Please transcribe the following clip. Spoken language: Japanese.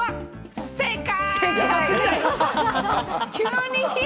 正解！